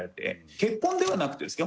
結婚ではなくてですよ